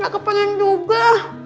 gak kepalin juga